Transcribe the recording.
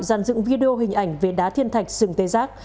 dàn dựng video hình ảnh về đá thiên thạch sừng tê giác